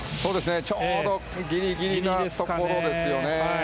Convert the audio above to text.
ちょうどギリギリなところですよね。